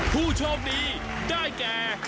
ผู้โชคดีได้แก่